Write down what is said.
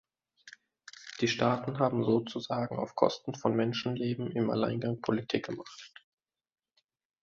Die Staaten haben sozusagen auf Kosten von Menschenleben im Alleingang Politik gemacht.